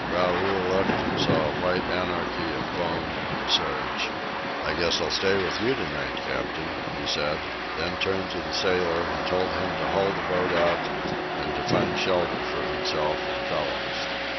Raoul looked and saw a white anarchy of foam and surge. "I guess I'll stay with you tonight, Captain," he said; then turned to the sailor and told him to haul the boat out and to find shelter for himself and fellows.